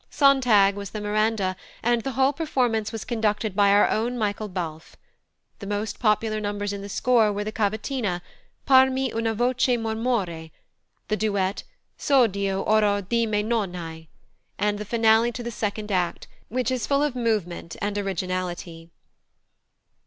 Sontag was the Miranda, and the whole performance was conducted by our own Michael Balfe. The most popular numbers in the score were the cavatina, "Parmi una voce mormore"; the duet, "S' odio, orror di me non hai"; and the finale to the second act, which is full of movement and originality.